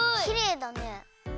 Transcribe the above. きれいだね。